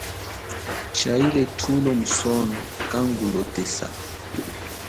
Chaile thulo musono kangu lotesa.